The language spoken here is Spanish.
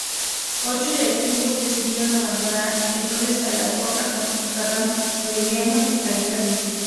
Ocho directivos decidieron abandonar entonces a Laporta con Ferran Soriano al frente.